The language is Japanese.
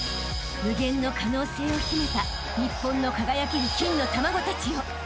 ［無限の可能性を秘めた日本の輝ける金の卵たちよ］